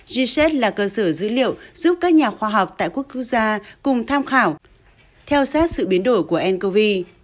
g shed là cơ sở dữ liệu giúp các nhà khoa học tại quốc gia cùng tham khảo theo sát sự biến đổi của ncov